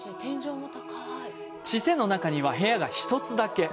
チセの中には部屋が一つだけ。